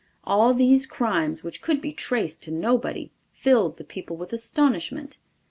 All these crimes, which could be traced to nobody, filled the people with astonishment.